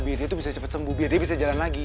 biar dia tuh bisa cepet sembuh biar dia bisa jalan lagi